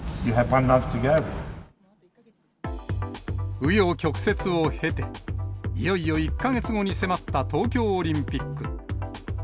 う余曲折を経て、いよいよ１か月後に迫った東京オリンピック。